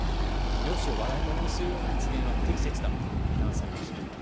容姿を笑いものにするような発言は不適切だと批判されました。